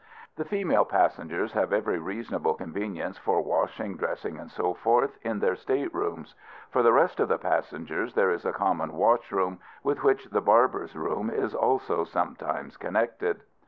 The female passengers have every reasonable convenience for washing, dressing, &c., in their state rooms. For the rest of the passengers there is a common washroom, with which the barber's room is also sometimes connected.